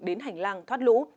đến hành lang thoát lũ